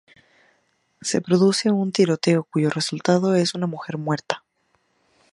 Se produce un tiroteo cuyo resultado es una mujer muerta.